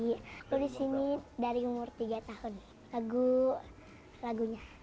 lalu disini dari umur tiga tahun lagunya